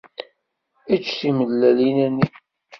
Ečč timellalin-nni.